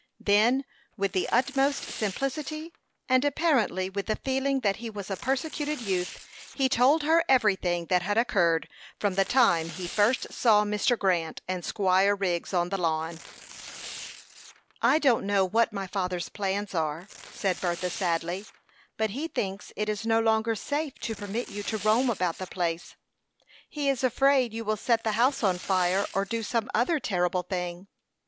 Then, with the utmost simplicity, and apparently with the feeling that he was a persecuted youth, he told her everything that had occurred from the time he first saw Mr. Grant and Squire Wriggs on the lawn. "I don't know what my father's plans are," said Bertha, sadly; "but he thinks it is no longer safe to permit you to roam about the place. He is afraid you will set the house on fire, or do some other terrible thing."